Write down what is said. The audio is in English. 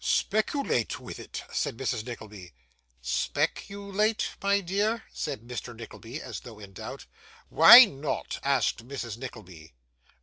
'Speculate with it,' said Mrs. Nickleby. 'Spec u late, my dear?' said Mr. Nickleby, as though in doubt. 'Why not?' asked Mrs. Nickleby.